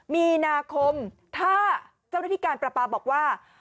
มีนาคมถ้าเจ้าหน้าที่การประปาบอกว่า